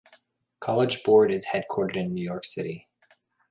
College Board is headquartered in New York City.